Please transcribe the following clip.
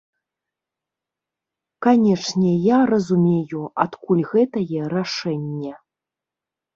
Канечне, я разумею, адкуль гэтае рашэнне.